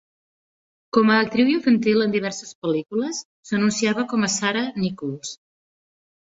Com a actriu infantil en diverses pel·lícules, s'anunciava com a Sarah Nicholls.